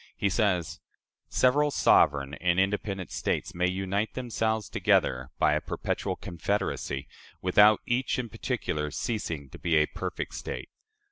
He says: "Several sovereign and independent states may unite themselves together by a perpetual confederacy, without each in particular ceasing to be a perfect state.